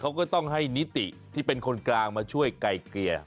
เขาก็ต้องให้นิติที่เป็นคนกลางมาช่วยไกลเกลี่ย